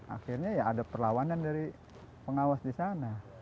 akhirnya ya ada perlawanan dari pengawas di sana